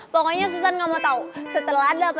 pokoknya susan gak mau tau setelah